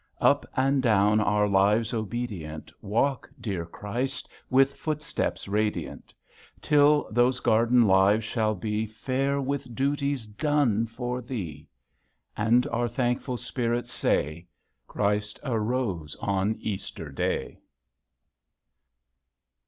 Up and down our lives obedient Walk, dear Christ, with footsteps radiant. Till those garden lives shall be Fair with duties done for Thee ; And our thankful spirits say, Christ arose on Easter Day.